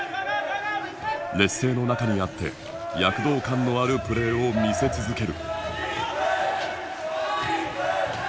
劣勢の中にあって躍動感のあるプレーを見せ続ける。